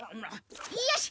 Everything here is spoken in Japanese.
よし！